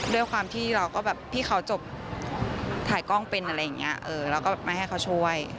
ด้วยความที่เราก็แบบพี่เขาจบถ่ายกล้องเป็นอะไรอย่างนี้แล้วก็แบบไม่ให้เขาช่วย